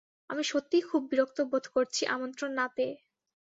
আমি সত্যিই খুব বিরক্ত বোধ করছি আমন্ত্রণ না পেয়ে।